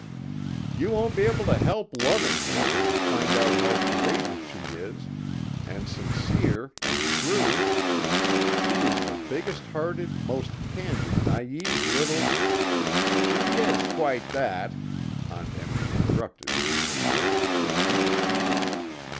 "You won't be able to help loving her when you find out how courageous she is, and sincere and true! She is the biggest hearted, most candid, naïve little " "She is quite that!" Aunt Emmy interrupted in her turn, with emphasis.